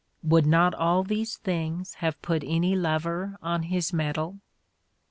Would not all these things have put any lover on his mettle?